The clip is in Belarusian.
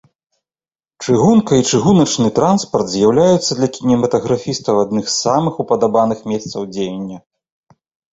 Чыгунка і чыгуначны транспарт з'яўляюцца для кінематаграфістаў адным з самых упадабаных месцаў дзеяння.